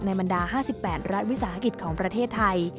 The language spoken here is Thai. บรรดา๕๘รัฐวิสาหกิจของประเทศไทย